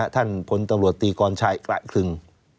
ท่านตลอดตีกรไข่แปลึกถึง